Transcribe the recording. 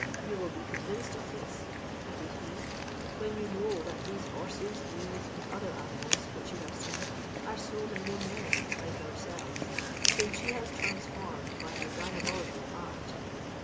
You will be convinced of this," added he, "when you know that these horses, mules, and other animals which you have seen, are so many men, like ourselves, whom she has transformed by her diabolical art.